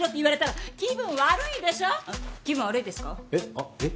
あっえっ？